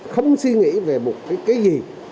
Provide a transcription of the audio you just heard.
không suy nghĩ về tổ chức không suy nghĩ về tổ chức